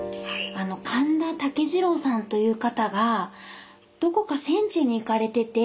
カンダタケジロウさんという方がどこか戦地に行かれてて。